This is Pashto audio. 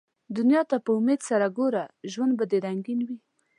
دنیا ته په امېد سره ګوره ، ژوند به دي رنګین وي